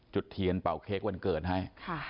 จุดเทียนเป่าเค้กวันเกิดให้